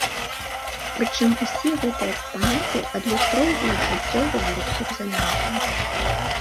Прычым усе гэтыя экспанаты адлюстроўваюць жыццё беларусаў замежжа.